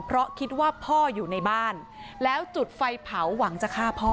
เพราะคิดว่าพ่ออยู่ในบ้านแล้วจุดไฟเผาหวังจะฆ่าพ่อ